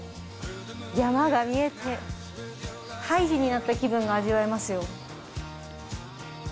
山が見えてハイジになった気分が味わえますよ。